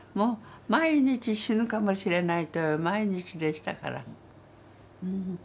毎日死ぬかもしれないという毎日でしたから。